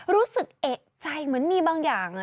รู้สึกเอกใจเหมือนมีบางอย่าง